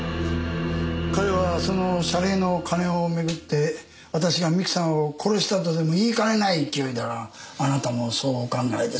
彼はその謝礼の金を巡って私が三木さんを殺したとでも言いかねない勢いだがあなたもそうお考えですか？